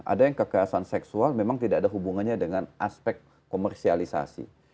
ada yang kekerasan seksual memang tidak ada hubungannya dengan aspek komersialisasi